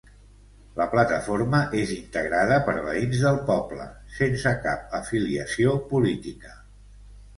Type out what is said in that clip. La plataforma és integrada per veïns del poble, sense cap afiliació política.